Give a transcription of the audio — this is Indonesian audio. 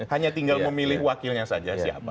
hanya tinggal memilih wakilnya saja siapa